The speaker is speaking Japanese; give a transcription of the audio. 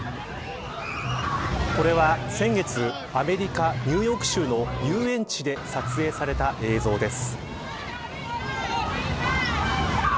これは先月アメリカ・ニューヨーク州の遊園地で撮影された映像です。